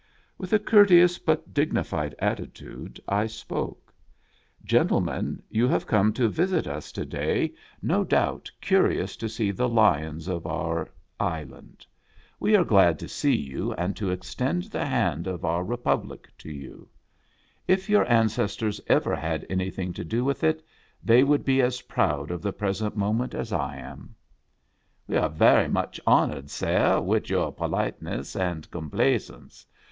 With a courteous but dignified attitude, I spoke :" Gentlemen, you have come to visit us to day, no doubt curious to see the lions of our island. We are glad to see you, and to extend the hand of our Re public to you. If your ancestors ever had anything to do with it, they would be as proud of the present moment as I am." "We are vera much honored, sare, wid your politesse and complaisance.